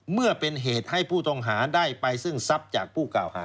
เมื่อเป็นเหตุให้ผู้ต้องหาได้ไปซึ่งทรัพย์จากผู้กล่าวหา